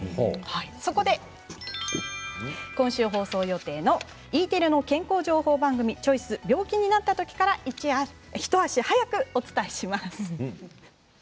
そこで今週放送予定のＥテレの健康情報番組「チョイス＠病気になったとき」から一足早くお伝えします。